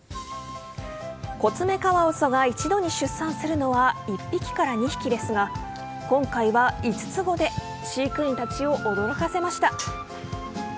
コツメカワウソが一度に出産するのは１匹から２匹ですが今回は５つ子で飼育員たちを驚かせました。